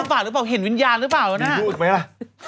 ไม่มีหินว่าเขาเออไม่เข้าออกมา